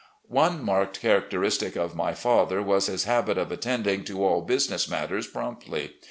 One marked characteristic of my father was his habit of attending to all business matters promptly.